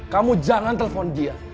kamu jangan telepon dia